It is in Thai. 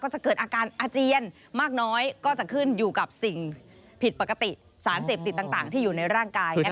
จะเกิดอาการอาเจียนมากน้อยก็จะขึ้นอยู่กับสิ่งผิดปกติสารเสพติดต่างที่อยู่ในร่างกาย